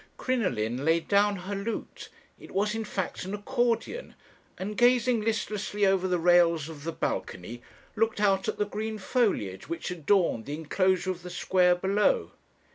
"Crinoline laid down her lute it was in fact an accordion and gazing listlessly over the rails of the balcony, looked out at the green foliage which adorned the enclosure of the square below.